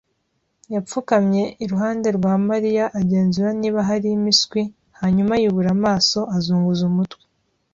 yapfukamye iruhande rwa Mariya, agenzura niba hari impiswi, hanyuma yubura amaso, azunguza umutwe.